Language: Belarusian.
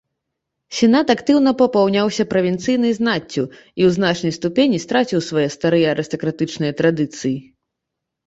Сенат актыўна папаўняўся правінцыйнай знаццю і ў значнай ступені страціў свае старыя арыстакратычныя традыцыі.